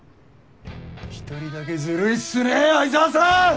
一人だけずるいっすね愛沢さん！